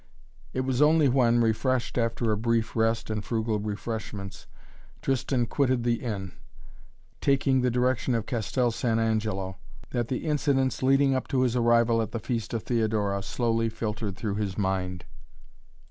It was only when, refreshed after a brief rest and frugal refreshments, Tristan quitted the inn, taking the direction of Castel San Angelo, that the incidents leading up to his arrival at the feast of Theodora slowly filtered through his mind.